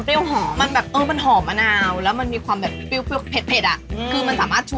มายน่าดูมันยังเข้ายังเดินมา